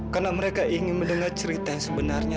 karena mereka ingin mendengar cerita yang sebenarnya